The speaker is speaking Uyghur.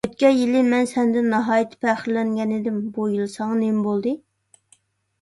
ئۆتكەن يىلى مەن سەندىن ناھايىتى پەخىرلەنگەنىدىم، بۇ يىل ساڭا نېمە بولدى؟